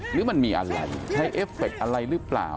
หรือมันมีอะไรใช้เอฟเฟคอะไรหรือเปล่า